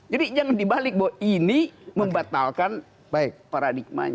jadi jangan dibalik bahwa ini membatalkan paradigmanya